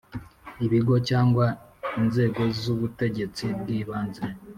Ibigo cyangwa inzego z ubutegetsi bw ibanze